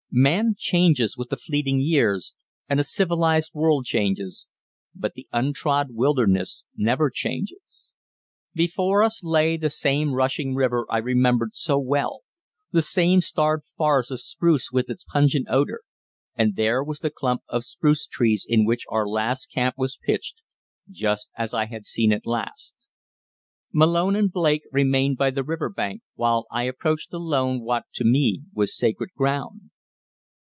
Man changes with the fleeting years and a civilized world changes, but the untrod wilderness never changes. Before us lay the same rushing river I remembered so well, the same starved forest of spruce with its pungent odor, and there was the clump of spruce trees in which our last camp was pitched just as I had seen it last. Malone and Blake remained by the river bank while I approached alone what to me was sacred ground.